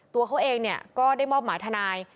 ตัวเขาเองก็ได้มอบหมายทนาย